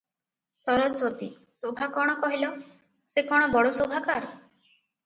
ସରସ୍ୱତୀ - ଶୋଭା କଣ କହିଲ, ସେ କଣ ବଡ଼ ଶୋଭାକାର ।